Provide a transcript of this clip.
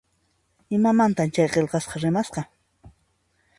Imamantan chay qillqasqa rimasqa?